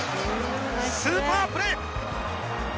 スーパープレー！